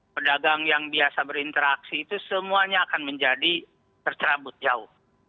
pedagang yang biasa berinteraksi itu semuanya akan menjadi tercerabut jauh